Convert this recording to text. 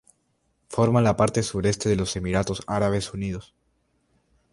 Forma la parte sureste de los Emiratos Árabes Unidos.